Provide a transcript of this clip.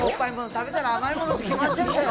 食べたら甘いものって決まってんだよ